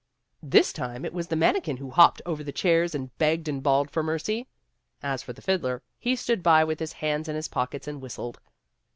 This time it was the manikin who hopped over the chairs and begged and bawled for mercy. As for the fiddler, he stood by with his hands in his pockets and whistled.